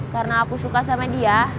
karena aku suka sama dia